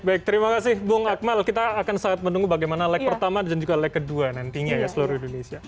baik terima kasih bung akmal kita akan sangat menunggu bagaimana leg pertama dan juga leg kedua nantinya ya seluruh indonesia